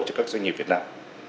cho các doanh nghiệp việt nam